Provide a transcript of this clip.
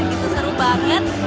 itu seru banget